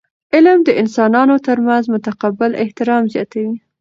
علم د انسانانو ترمنځ متقابل احترام زیاتوي.